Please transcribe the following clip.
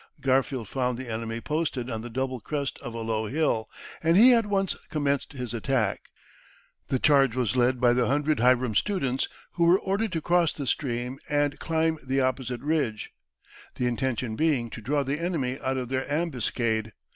Garfield found the enemy posted on the double crest of a low hill, and he at once commenced his attack. The charge was led by the hundred Hiram students, who were ordered to cross the stream and climb the opposite ridge, the intention being to draw the enemy out of their ambuscade.